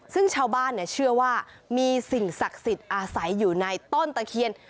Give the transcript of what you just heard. ซึ่งชาวบ้านเชื่อว่ามีสิ่งศักดิ์สิทธิ์อาศัยอยู่ในต้นตะเคียน